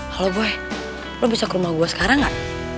halo boy lo bisa ke rumah gue sekarang gak